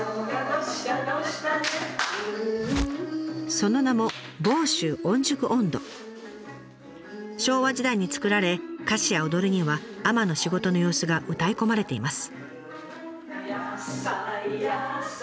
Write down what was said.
その名も昭和時代に作られ歌詞や踊りには海女の仕事の様子がうたい込まれています。